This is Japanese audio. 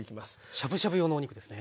しゅぶしゅぶ用のお肉ですね。